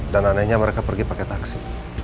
dan anehnya mereka pergi pakai taksi